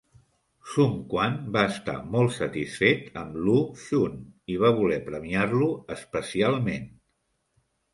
Sun Quan va estar molt satisfet amb Lu Xun i va voler premiar-lo especialment.